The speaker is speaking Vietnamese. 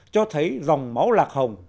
cho thấy dòng máu lạc hồng